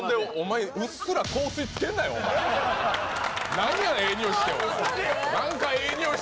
何やねん、ええにおいして。